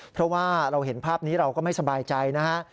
เพราะว่าเราเห็นภาพนี้เราก็ไม่สบายใจนะฮะ